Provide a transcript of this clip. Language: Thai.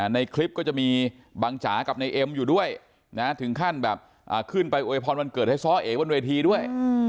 ในคลิปก็จะมีบางจากับในเอ็มอยู่ด้วยนะถึงขั้นแบบขึ้นไปอวยพรวันเกิดให้ซ้อเอ๋บนเวทีด้วย